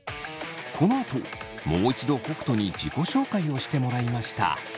このあともう一度北斗に自己紹介をしてもらいました。